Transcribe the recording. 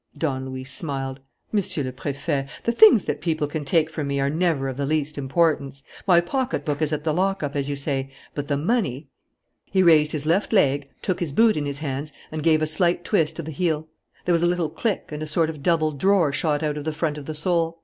Don Luis smiled: "Monsieur le Préfet, the things that people can take from me are never of the least importance. My pocket book is at the lockup, as you say. But the money " He raised his left leg, took his boot in his hands and gave a slight twist to the heel. There was a little click, and a sort of double drawer shot out of the front of the sole.